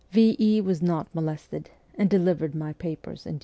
V. E. was not molested, and delivered my papers in due time.